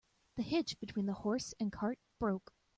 The hitch between the horse and cart broke.